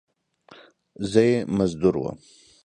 زه یې مزدور وم !